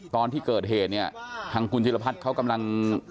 ตอนที่เกิดเหตุทางกุญจิรพรรดิเขากำลัง